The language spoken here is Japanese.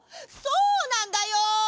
そうなんだよ。